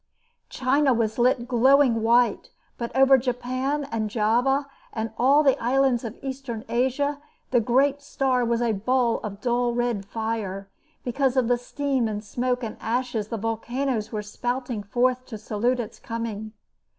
China was lit glowing white, but over Japan and Java and all the islands of Eastern Asia the great star was a ball of dull red fire because of the steam and smoke and ashes the volcanoes were spouting forth to salute its coming.